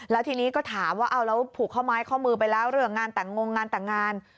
แล้วทีนี้ก็ถามว่าเอาแล้วผูกข้อไม้ข้อมือไปแล้วเรื่องงานแต่งงงานแต่งงาน